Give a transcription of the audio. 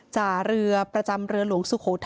จ่าเรือประจำเรือหลวงสุโขทัย